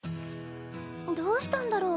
どうしたんだろう？